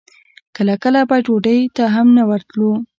کله کله به ډوډۍ ته هم نه وتلو.